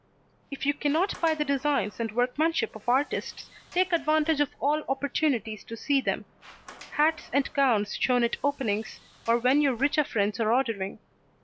If you cannot buy the designs and workmanship of artists, take advantage of all opportunities to see them; hats and gowns shown at openings, or when your richer friends are ordering.